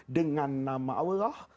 dengan nama allah